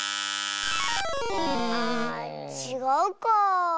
あちがうかあ。